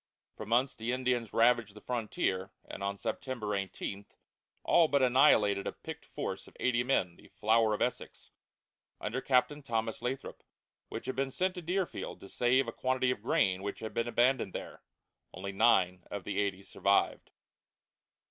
For months the Indians ravaged the frontier, and on September 18 all but annihilated a picked force of eighty men, the "Flower of Essex," under Captain Thomas Lathrop, which had been sent to Deerfield to save a quantity of grain which had been abandoned there. Only nine of the eighty survived.